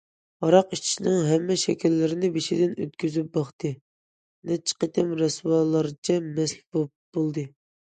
ھاراق ئىچىشنىڭ ھەممە شەكىللىرىنى بېشىدىن ئۆتكۈزۈپ باقتى، نەچچە قېتىم رەسۋالارچە مەست بولدى.